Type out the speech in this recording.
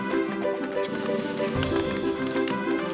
gue gak tau